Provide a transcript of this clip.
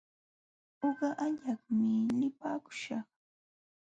Uqa allaqmi lipaakuśhaq.